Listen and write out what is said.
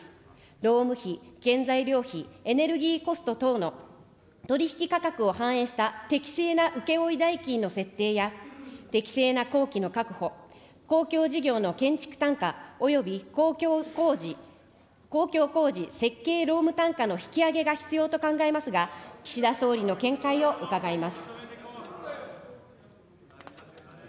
労務費、原材料費、エネルギーコスト等の取り引き価格を反映した、適正な請負代金の設定や、適正な工期の確保、公共事業の建築単価および公共工事設計労務単価の引き上げが必要と考えますが、岸田総理の見解を伺います。